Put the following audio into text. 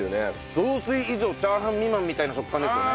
雑炊以上チャーハン未満みたいな食感ですよね。